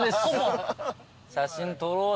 写真撮ろう写真。